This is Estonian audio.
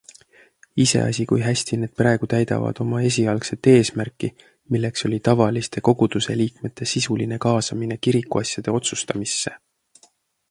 Iseasi, kui hästi need praegu täidavad oma esialgset eesmärki, milleks oli tavaliste koguduseliikmete sisuline kaasamine kirikuasjade otsustamisse.